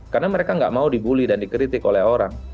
karena mereka tidak mau dibully dan dikritik oleh orang